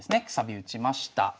くさび打ちました。